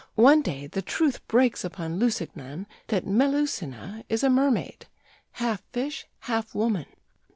One day the truth breaks upon Lusignan that Melusina is a mermaid half fish, half woman.